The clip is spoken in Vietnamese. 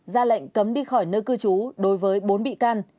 ra lệnh cấm đi khỏi nơi cư trú đối với bốn bị can